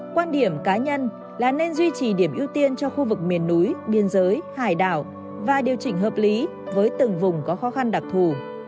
quan điểm cá nhân là nên duy trì điểm ưu tiên cho khu vực miền núi biên giới hải đảo và điều chỉnh hợp lý với từng vùng có khó khăn đặc thù